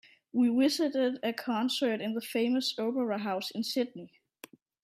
We visited a concert in the famous opera house in Sydney.